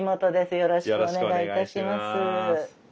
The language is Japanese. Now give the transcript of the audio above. よろしくお願いします。